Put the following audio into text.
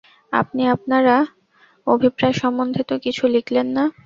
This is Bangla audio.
আপনি আপনার অভিপ্রায় সম্বন্ধে তো কিছু লিখলেন না।